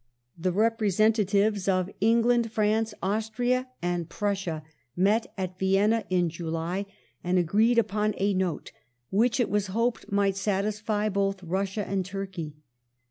The representatives of England, France, 31st ' Austria, and Prussia met at Vienna in July and agreed upon a " Note " which it was hoped might satisfy both Russia and Turkey.